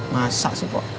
masa sih pok